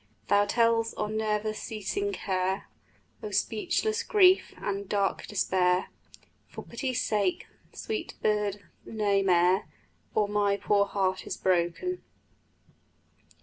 Thou tells o' never ceasing care, O' speechless grief and dark despair; For pity's sake, sweet bird, nae mair, Or my poor heart is broken!